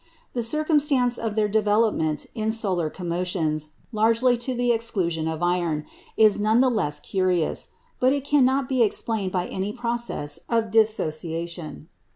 The circumstance of their development in solar commotions, largely to the exclusion of iron, is none the less curious; but it cannot be explained by any process of dissociation.